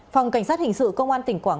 phòng cảnh sát hình sự công an tỉnh quảng